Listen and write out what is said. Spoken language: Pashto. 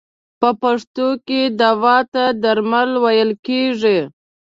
په پښتو کې دوا ته درمل ویل کیږی.